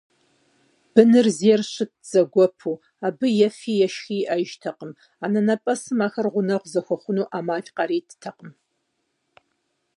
Бынхэр зейр щытт, зэгуэпу, абы ефи-ешхи иӀэжтэкъым, анэнэпӀэсым ахэр гъунэгъу зэхуэхъуну Ӏэмал къаритыртэкъым.